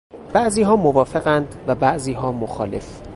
بعضیها موافقند و بعضیها مخالف.